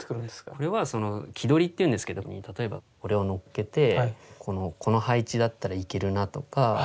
これは木取りっていうんですけど例えばこれをのっけてこの配置だったらいけるなとか